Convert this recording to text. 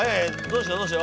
どうした？